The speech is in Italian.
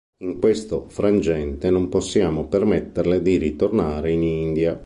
In questo frangente non possiamo permetterle di ritornare in India.